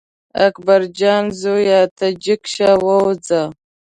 اکبر جانه زویه ته جګ شه ووځه.